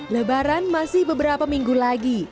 lebaran masih beberapa minggu lagi